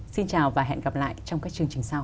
xin chào và hẹn gặp lại trong các chương trình sau